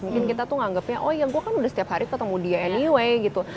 mungkin kita tuh menganggapnya oh ya gue kan udah setiap hari ketemu dia anyway gitu